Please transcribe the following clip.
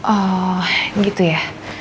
oh gitu ya